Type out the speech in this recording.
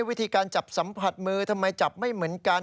วิธีการจับสัมผัสมือทำไมจับไม่เหมือนกัน